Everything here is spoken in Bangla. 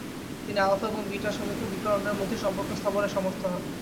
তিনি আলফা এবং বিটা বিকিরণের মধ্যে সম্পর্ক স্থাপনে সমর্থ হন।